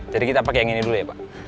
jadi kita pakai yang ini dulu ya pak